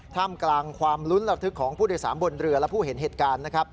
ท่ามกลางความลุ้นระทึกของผู้โดยสารบนเรือและผู้เห็นเหตุการณ์นะครับ